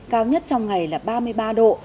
cao nhất trong ngày là ba mươi ba độ